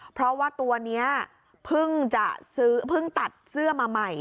เพราะว่าตัวนี้เพิ่งตัดเสื้อมาใหม่